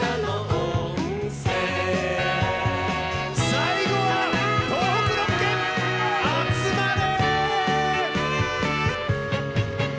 最後は東北６県集まれ！